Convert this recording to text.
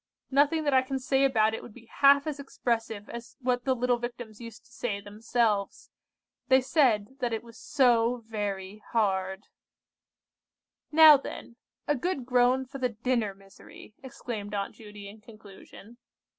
Nothing that I can say about it would be half as expressive as what the little Victims used to say themselves. They said that it was 'so very hard.' "Now, then, a good groan for the dinner misery," exclaimed Aunt Judy in conclusion.